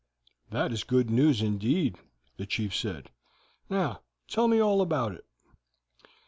"That is good news indeed," the chief said. "Now tell me all about it."